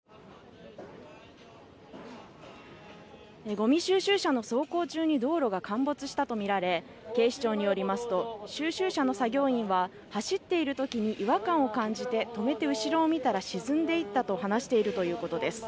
ごみ収集車の走行中に道路が陥没したとみられ警視庁によりますと収集車の作業員は走っているときに違和感を感じて止めて後ろを見たら沈んでいったと話しているということです。